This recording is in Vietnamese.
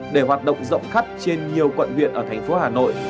để hoạt động rộng khắc trên nhiều quận viện ở thành phố hà nội